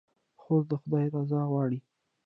خور د خدای رضا غواړي.